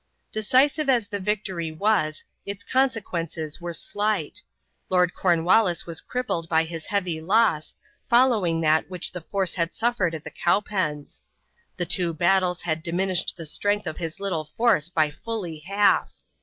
Decisive as the victory was, its consequences were slight. Lord Cornwallis was crippled by his heavy loss, following that which the force had suffered at the Cowpens. The two battles had diminished the strength of his little force by fully half.